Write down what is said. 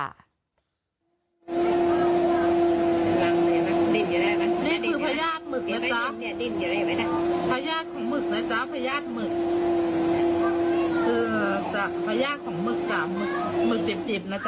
นี่คือพยาธิหมึกนะจ๊ะ